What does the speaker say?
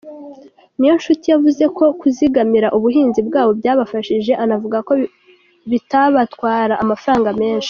Niyonshuti yavuze ko kuzigamira ubuhinzi bwabo byabafashije, anavuga ko bitabatwara amafaranga menshi.